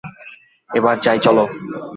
এবার যাই চলো।